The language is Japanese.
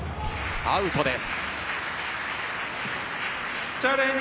アウトです。